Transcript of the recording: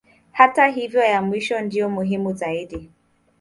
Hata hivyo ya mwisho ndiyo muhimu zaidi.